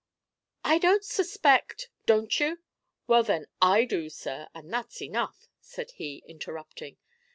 "I don't suspect " "Don't you? Well, then, I do, sir; and that's enough," said he, interrupting.